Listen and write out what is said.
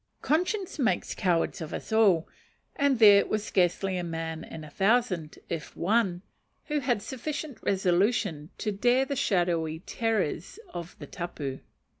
"Conscience makes cowards of us all," and there was scarcely a man in a thousand, if one, who had sufficient resolution to dare the shadowy terrors of the tapu.